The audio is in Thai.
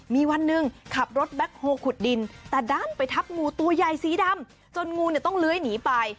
มีวันหนึ่งขับรถแบ็คโฮลขุดดินแต่ด้านไปทับงูตัวใหญ่สีดำจนงูเนี่ยต้องเลื้อยหนีไป